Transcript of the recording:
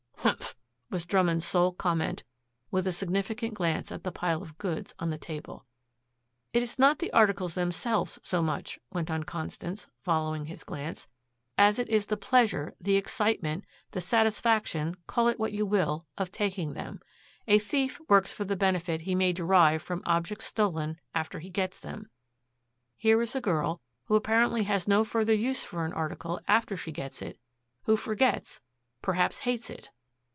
"Humph!" was Drummond's sole comment with a significant glance at the pile of goods on the table. "It is not the articles themselves so much," went on Constance, following his glance, "as it is the pleasure, the excitement, the satisfaction call it what you will of taking them. A thief works for the benefit he may derive from objects stolen after he gets them. Here is a girl who apparently has no further use for an article after she gets it, who forgets, perhaps hates it."